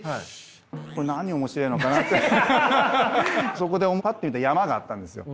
そこでパッて見たら山があったんですよ。